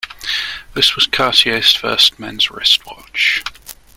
This was Cartier's first men's wristwatch.